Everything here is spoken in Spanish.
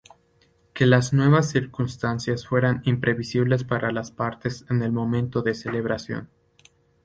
Que las nuevas circunstancias fueran imprevisibles para las partes en el momento de celebración.